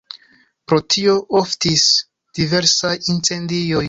Pro tio oftis diversaj incendioj.